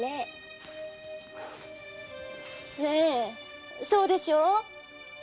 ねぇそうでしょう？